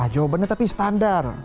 jawabannya tapi standar